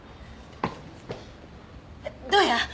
どうや？